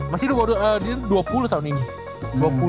masih di bawah dua puluh tahun ini